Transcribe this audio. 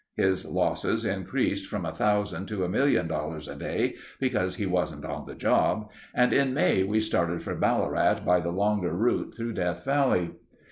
His losses increased from a thousand to a million dollars a day because he wasn't on the job, and in May we started for Ballarat by the longer route through Death Valley.